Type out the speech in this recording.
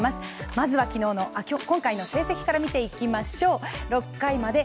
まずは今回の成績から見ていきましょう。